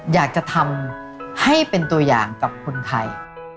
อยากจะทำให้เป็นตัวอย่างกับคนไทย